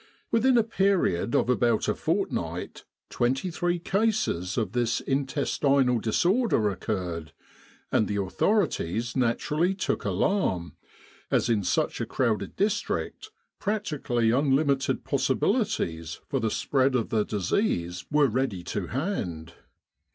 Within a period of about a fortnight, twenty three cases of this intestinal disorder occurred, and the authorities naturally took alarm, as in such a crowded district, practically unlimited possibilities for the spread of the disease were ready to hand.